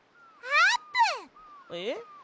えっ？